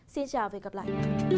xin chào và hẹn gặp lại